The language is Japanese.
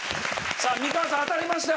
さあ美川さん当たりました。